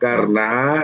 maksudnya yang maju